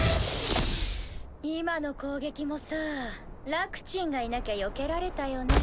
今の攻撃もさぁラックちんがいなきゃよけられたよね。